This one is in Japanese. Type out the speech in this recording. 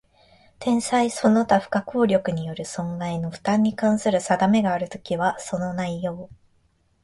天災その他不可抗力による損害の負担に関する定めがあるときは、その内容